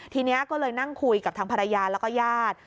ทีนี้ก็เลยนั่งคุยกับทางภรรยาแล้วก็ญาติ